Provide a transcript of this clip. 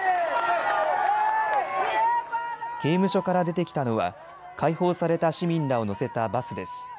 刑務所から出てきたのは解放された市民らを乗せたバスです。